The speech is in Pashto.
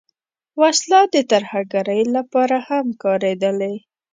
وسله د ترهګرۍ لپاره هم کارېدلې